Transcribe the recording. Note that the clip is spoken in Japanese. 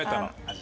味。